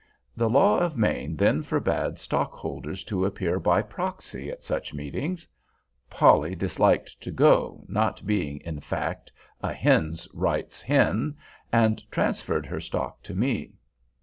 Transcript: The law of Maine then forbade stockholders to appear by proxy at such meetings. Polly disliked to go, not being, in fact, a "hens' rights hen," and transferred her stock to me.